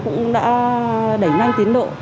cũng đã đẩy nhanh tiến độ